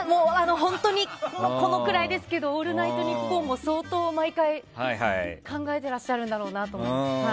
本当にこのくらいですけど「オールナイトニッポン」も相当、毎回考えてらっしゃるんだろうなと。